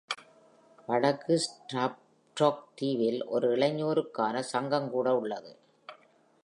வடக்கு ஸ்ட்ராட்ப்ரோக் தீவில் ஒரு இளையோருக்கான சங்கம் கூட உள்ளது.